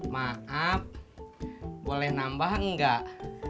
maaf boleh nambah nggak